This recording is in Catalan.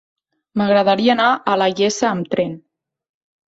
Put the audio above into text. M'agradaria anar a la Iessa amb tren.